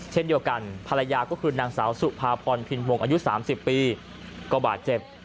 เช่นเดียวกันภรรยาก็คือนางสาวสุภาพรพินวงอายุ๓๐ปีก็บาดเจ็บ